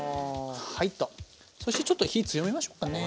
そしてちょっと火強めましょうかね。